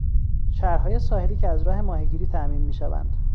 شهرهای ساحلی که از راه ماهیگیری تامین میشوند